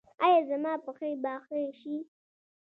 ایا زما پښې به ښې شي؟